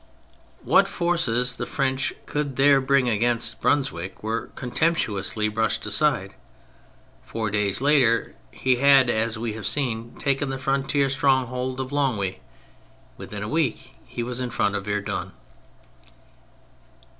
What forces the French could there bring against Brunswick were contemptuously brushed aside. Four days later he had, as we have seen, taken the frontier stronghold of Longwy; within a week he was in front of Verdun.